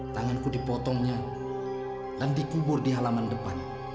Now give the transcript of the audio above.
tanganku dipotongnya dan dikubur di halaman depan